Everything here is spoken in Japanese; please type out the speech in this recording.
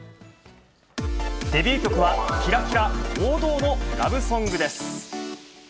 デビュー曲は、きらきら王道のラブソングです。